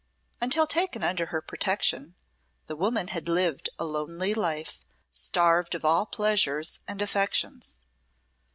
Until taken under her protection, the poor woman had lived a lonely life, starved of all pleasures and affections.